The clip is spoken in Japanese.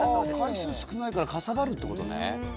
回数少ないからかさばるって事ね。